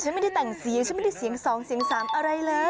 ฉันไม่ได้แต่งสีฉันไม่ได้เสียงสองเสียงสามอะไรเลย